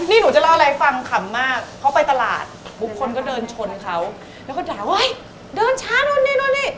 นี่หนูจะเล่าอะไรให้ฟังขำมากเขาไปตลาดบุคคลก็เดินชนเขาแล้วก็ด่าว่าเดินช้านู่นนี่นู่นนี่